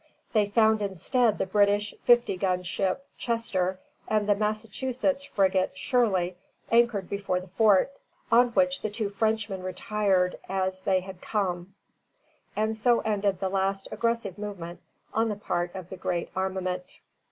They found instead the British fifty gun ship "Chester" and the Massachusetts frigate "Shirley" anchored before the fort, on which the two Frenchmen retired as they had come; and so ended the last aggressive movement on the part of the great armament.